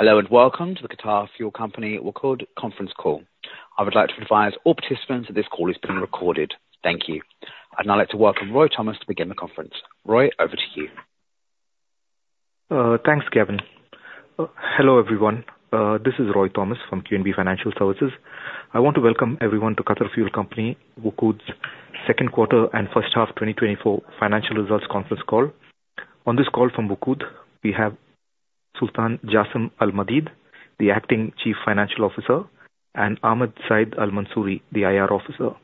Hello, and welcome to the Qatar Fuel Company WOQOD Conference Call. I would like to advise all participants that this call is being recorded. Thank you. I'd now like to welcome Roy Thomas to begin the conference. Roy, over to you. Thanks, Kevin. Hello, everyone. This is Roy Thomas from QNB Financial Services. I want to welcome everyone to Qatar Fuel Company, WOQOD's Q2 and first half 2024 financial results conference call. On this call from WOQOD, we have Sultan Jassim Al-Maadeed, the Acting Chief Financial Officer, and Ahmed Saeed Al-Mansoori, the IR Officer.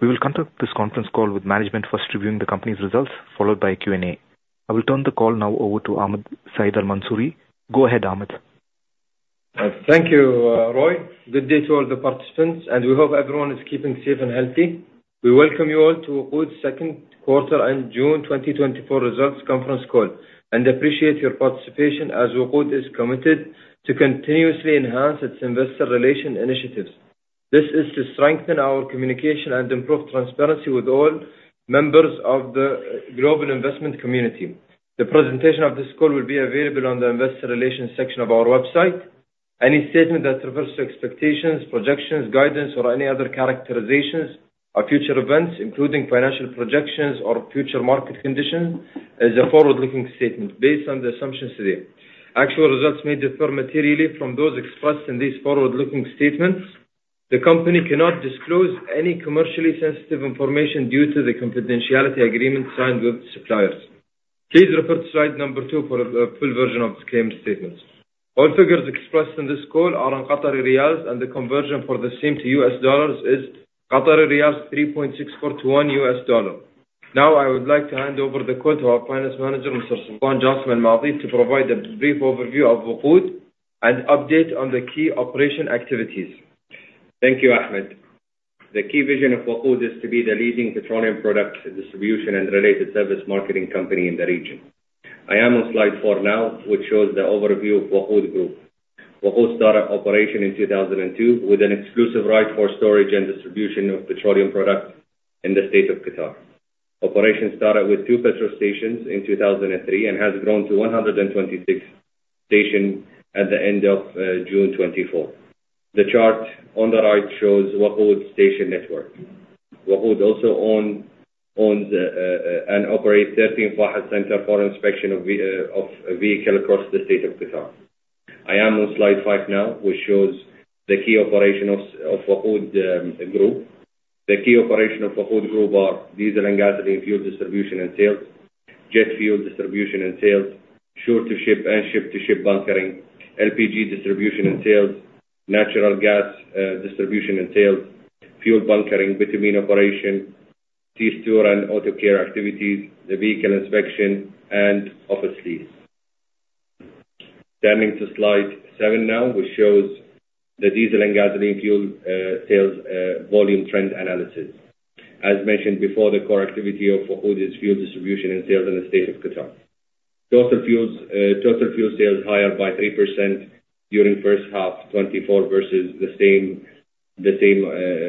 We will conduct this conference call with management first reviewing the company's results, followed by Q&A. I will turn the call now over to Ahmed Saeed Al-Mansoori. Go ahead, Ahmed. Thank you, Roy. Good day to all the participants, and we hope everyone is keeping safe and healthy. We welcome you all to WOQOD's Q2 and June 2024 results conference call, and appreciate your participation as WOQOD is committed to continuously enhance its investor relation initiatives. This is to strengthen our communication and improve transparency with all members of the global investment community. The presentation of this call will be available on the investor relations section of our website. Any statement that refers to expectations, projections, guidance, or any other characterizations of future events, including financial projections or future market conditions, is a forward-looking statement based on the assumptions today. Actual results may differ materially from those expressed in these forward-looking statements. The company cannot disclose any commercially sensitive information due to the confidentiality agreement signed with suppliers. Please refer to slide number 2 for the full version of the claim statements. All figures expressed in this call are in Qatari riyals, and the conversion for the same to US dollars is 3.64 to $1. Now, I would like to hand over the call to our finance manager, Mr. Sultan Jassim Al-Maadeed, to provide a brief overview of WOQOD and update on the key operation activities. Thank you, Ahmed. The key vision of WOQOD is to be the leading petroleum product distribution and related service marketing company in the region. I am on slide 4 now, which shows the overview of WOQOD Group. WOQOD started operation in 2002, with an exclusive right for storage and distribution of petroleum products in the state of Qatar. Operation started with two petrol stations in 2003, and has grown to 126 stations at the end of June 2024. The chart on the right shows WOQOD's station network. WOQOD also owns and operates 13 FAHES centers for inspection of vehicles across the state of Qatar. I am on slide 5 now, which shows the key operations of WOQOD Group. The key operation of WOQOD Group are diesel and gasoline fuel distribution and sales, jet fuel distribution and sales, shore-to-ship and ship-to-ship bunkering, LPG distribution and sales, natural gas distribution and sales, fuel bunkering, bitumen operation, C-store and Auto Care activities, the vehicle inspection, and office lease. Turning to slide 7 now, which shows the diesel and gasoline fuel sales volume trend analysis. As mentioned before, the core activity of WOQOD is fuel distribution and sales in the state of Qatar. Total fuel sales higher by 3% during first half 2024 versus the same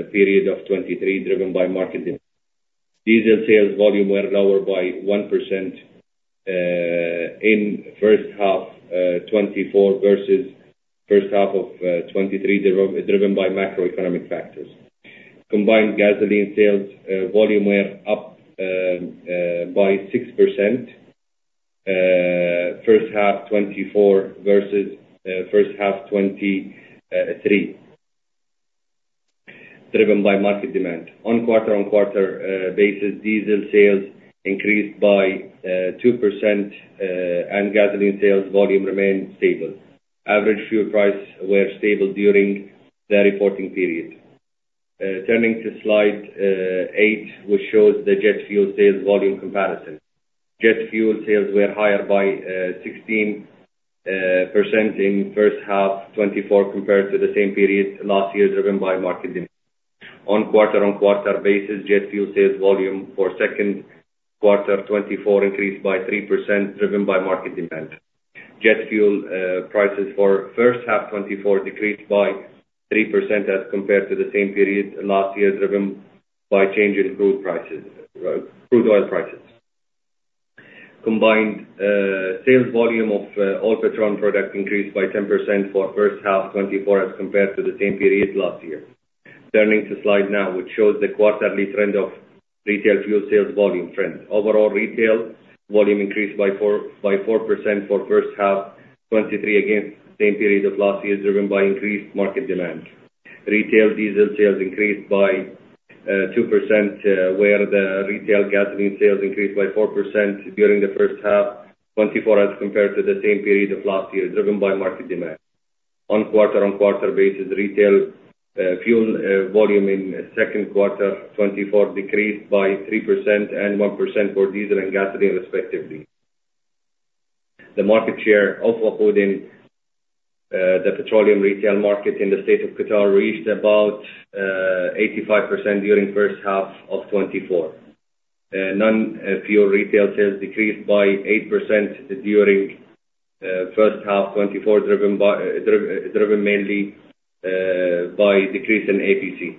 period of 2023, driven by market demand. Diesel sales volume were lower by 1% in first half 2024 versus first half of 2023, driven by macroeconomic factors. Combined gasoline sales volume were up by 6% first half 2024 versus first half 2023, driven by market demand. On quarter-on-quarter basis, diesel sales increased by 2% and gasoline sales volume remained stable. Average fuel price were stable during the reporting period. Turning to slide 8, which shows the jet fuel sales volume comparison. Jet fuel sales were higher by 16% in first half 2024 compared to the same period last year, driven by market demand. On quarter-on-quarter basis, jet fuel sales volume for Q2 2024 increased by 3%, driven by market demand. Jet fuel prices for first half 2024 decreased by 3% as compared to the same period last year, driven by changes in crude prices, crude oil prices. Combined, sales volume of all petroleum products increased by 10% for first half 2024, as compared to the same period last year. Turning to slide now, which shows the quarterly trend of retail fuel sales volume trend. Overall, retail volume increased by 4% for first half 2023 against same period of last year, driven by increased market demand. Retail diesel sales increased by 2%, while the retail gasoline sales increased by 4% during the first half 2024, as compared to the same period of last year, driven by market demand. On quarter-on-quarter basis, retail fuel volume in Q2 2024 decreased by 3% and 1% for diesel and gasoline, respectively. The market share of WOQOD in the petroleum retail market in the State of Qatar reached about 85% during first half of 2024. Non-fuel retail sales decreased by 8% during first half of 2024, driven mainly by decrease in APC.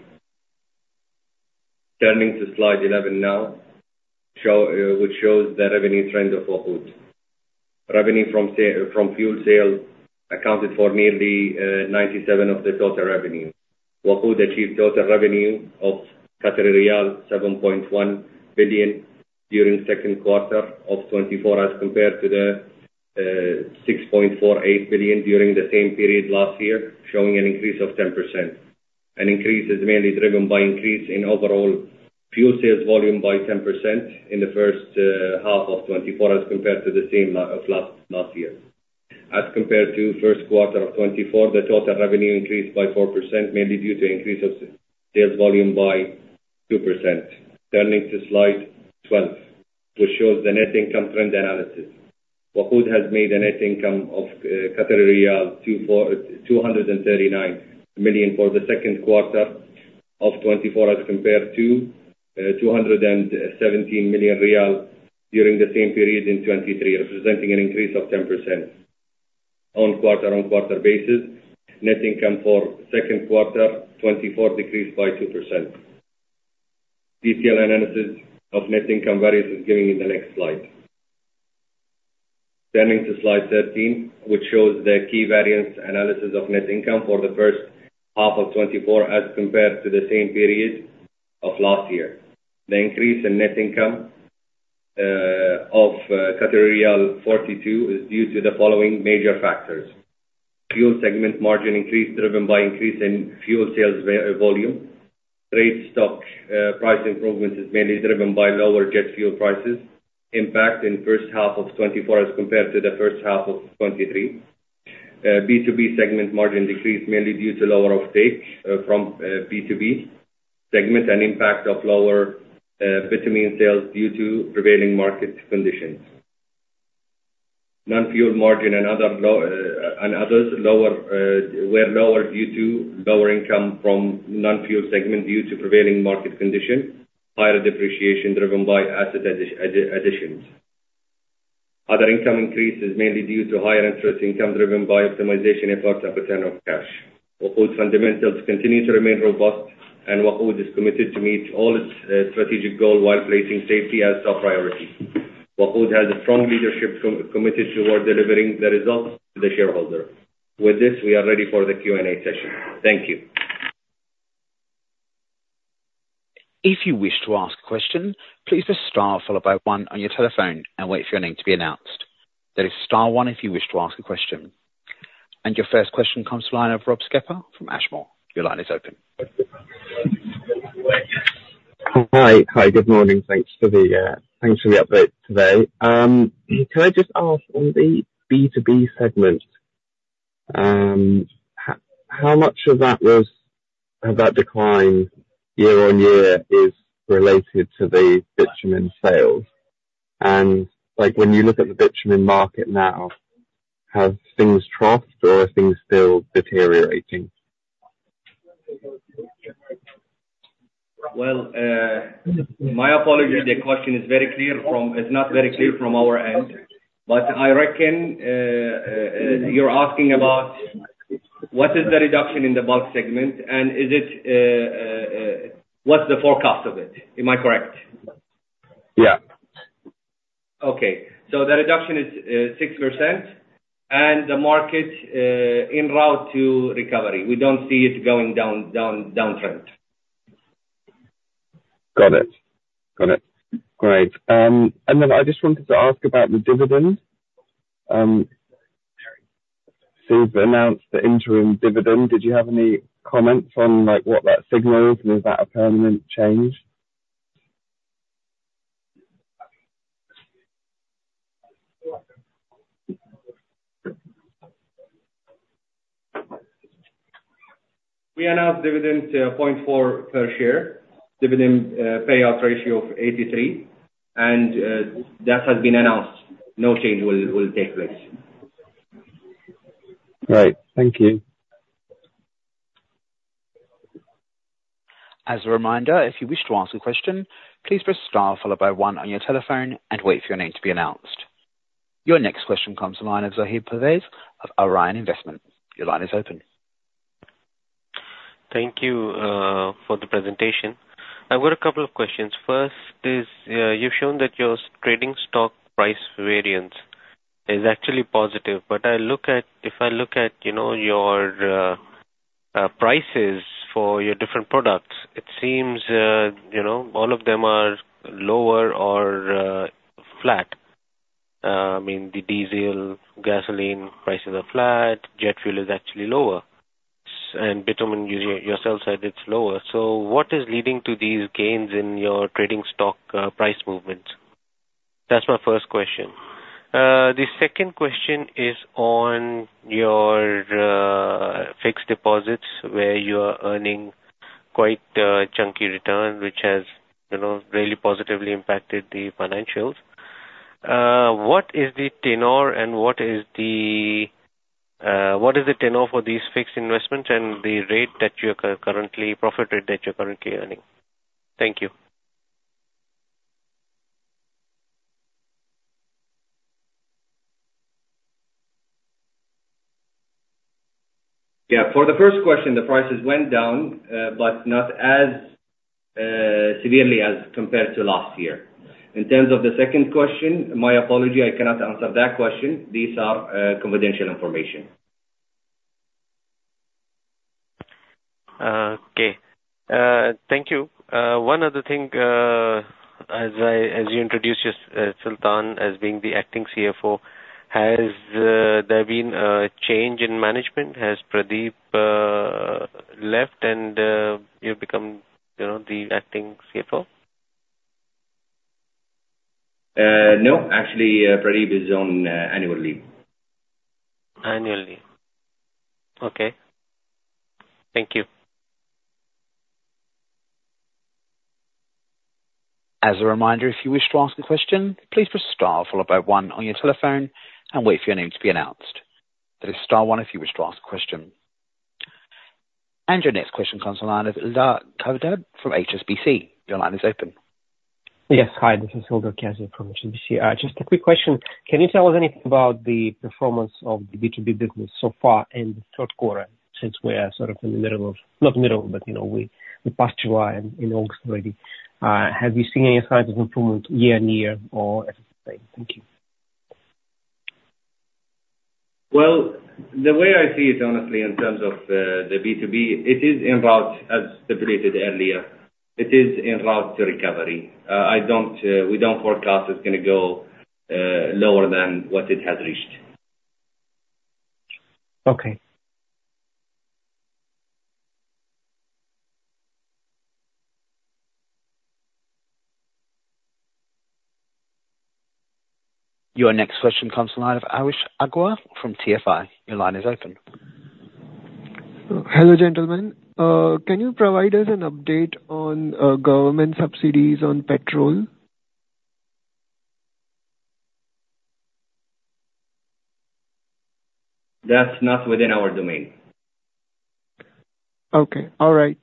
Turning to slide 11 now, which shows the revenue trend of WOQOD. Revenue from fuel sales accounted for nearly 97% of the total revenue. WOQOD achieved total revenue of riyal 7.1 billion during Q2 of 2024, as compared to the six point four eight billion during the same period last year, showing an increase of 10%. An increase is mainly driven by increase in overall fuel sales volume by 10% in the first half of 2024, as compared to the same of last year. As compared to Q1 of 2024, the total revenue increased by 4%, mainly due to increase of sales volume by 2%. Turning to slide 12, which shows the net income trend analysis. WOQOD has made a net income of riyal 239 million for the Q2 of 2024, as compared to 217 million riyal during the same period in 2023, representing an increase of 10%. On a quarter-over-quarter basis, net income for Q2 2024 decreased by 2%. Detailed analysis of net income variance is given in the next slide. Turning to slide 13, which shows the key variance analysis of net income for the first half of 2024, as compared to the same period of last year. The increase in net income of 42 million is due to the following major factors: Fuel segment margin increase, driven by increase in fuel sales volume. The stock price improvements is mainly driven by lower jet fuel prices. Impact in first half of 2024, as compared to the first half of 2023. B2B segment margin decreased, mainly due to lower offtake from B2B segment, and impact of lower bitumen sales due to prevailing market conditions. Non-fuel margin and others were lower due to lower income from non-fuel segment, due to prevailing market condition. Higher depreciation, driven by asset additions. Other income increases, mainly due to higher interest income, driven by optimization efforts and return of cash. WOQOD's fundamentals continue to remain robust, and WOQOD is committed to meet all its strategic goal, while placing safety as top priority. WOQOD has a strong leadership committed toward delivering the results to the shareholder. With this, we are ready for the Q&A session. Thank you. If you wish to ask a question, please press star followed by one on your telephone and wait for your name to be announced. That is star one if you wish to ask a question. And your first question comes to line of Rob Skipper from Ashmore. Your line is open. Hi. Hi, good morning. Thanks for the, thanks for the update today. Can I just ask on the B2B segment, how much of that was, of that decline year-on-year is related to the bitumen sales? And, like, when you look at the bitumen market now, have things troughed or are things still deteriorating? Well, my apologies, the question is very clear from... It's not very clear from our end. But I reckon, you're asking about what is the reduction in the bulk segment, and is it, what's the forecast of it? Am I correct? Yeah. Okay. So the reduction is 6%, and the market en route to recovery. We don't see it going down, down, downtrend. Got it. Got it. Great. And then I just wanted to ask about the dividend. So you've announced the interim dividend. Did you have any comments on, like, what that signals, and is that a permanent change? We announced dividend 0.4 per share. Dividend payout ratio of 83%, and that has been announced. No change will take place. Great. Thank you. As a reminder, if you wish to ask a question, please press star followed by one on your telephone and wait for your name to be announced. Your next question comes from line of Zohaib Pervez of Al Rayan Investment. Your line is open. Thank you for the presentation. I've got a couple of questions. First is, you've shown that your trading stock price variance is actually positive. But if I look at, you know, your prices for your different products, it seems, you know, all of them are lower or flat. I mean, the diesel, gasoline prices are flat, jet fuel is actually lower, and bitumen, you yourself said it's lower. So what is leading to these gains in your trading stock price movements? That's my first question. The second question is on your fixed deposits, where you are earning quite a chunky return, which has, you know, really positively impacted the financials. What is the tenor and what is the, what is the tenor for these fixed investments and the rate that you are currently, profit rate that you're currently earning? Thank you. ... Yeah, for the first question, the prices went down, but not as severely as compared to last year. In terms of the second question, my apology, I cannot answer that question. These are confidential information. Okay. Thank you. One other thing, as you introduced Sultan as being the acting CFO, has there been a change in management? Has Pradeep left and you've become, you know, the acting CFO? No. Actually, Pradeep is on annual leave. Annual leave. Okay. Thank you. As a reminder, if you wish to ask a question, please press star followed by one on your telephone and wait for your name to be announced. That is star one if you wish to ask a question. And your next question comes on the line of Hilda Kaza from HSBC. Your line is open. Yes. Hi, this is Hilda Kaza from HSBC. Just a quick question. Can you tell us anything about the performance of the B2B business so far in the Q3, since we are sort of in the middle of... Not the middle, but, you know, we passed July and in August already. Have you seen any signs of improvement year-on-year or as the same? Thank you. Well, the way I see it, honestly, in terms of, the B2B, it is en route, as stipulated earlier, it is en route to recovery. I don't, we don't forecast it's gonna go, lower than what it has reached. Okay. Your next question comes from the line of Aashish Agarwal from TFI. Your line is open. Hello, gentlemen. Can you provide us an update on government subsidies on petrol? That's not within our domain. Okay. All right.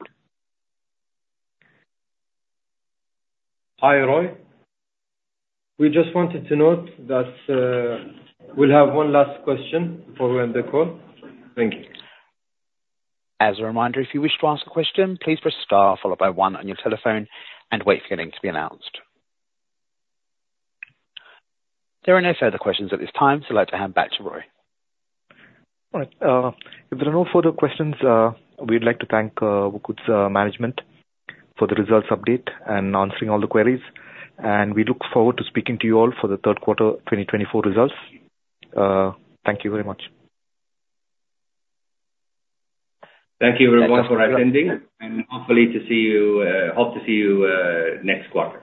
Hi, Roy. We just wanted to note that, we'll have one last question before we end the call. Thank you. As a reminder, if you wish to ask a question, please press star followed by one on your telephone and wait for your name to be announced. There are no further questions at this time, so I'd like to hand back to Roy. All right. If there are no further questions, we'd like to thank WOQOD's management for the results update and answering all the queries, and we look forward to speaking to you all for the Q3, 2024 results. Thank you very much. Thank you, everyone, for attending. Hope to see you next quarter.